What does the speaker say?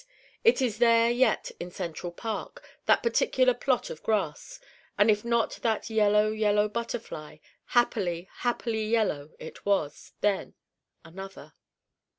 It is there yet in Central Park, that particular plot of Grass, and if not that Yellow Yellow Butterfly happily, happily Yellow it was then another!